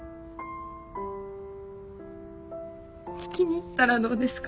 聞きに行ったらどうですか？